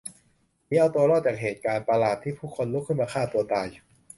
หนีเอาตัวรอดจากเหตุการณ์ประหลาดที่ผู้คนลุกขึ้นมาฆ่าตัวตาย